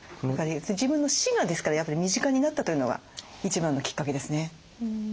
自分の死がですからやっぱり身近になったというのが一番のきっかけですね。